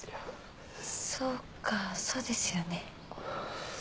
そうかそうですよね。